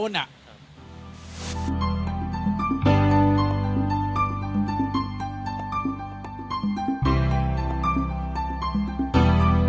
โปรดติดตามตอนต่อไป